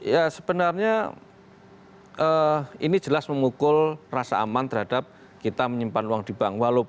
ya sebenarnya ini jelas memukul rasa aman terhadap kita menyimpan uang di bank